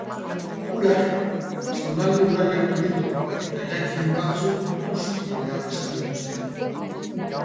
Urak zonalde ugari hartu ditu, eta eraikin batzuk hustu behar izan dituzte.